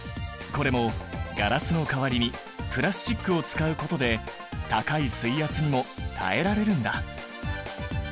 これもガラスの代わりにプラスチックを使うことで高い水圧にも耐えられるんだ。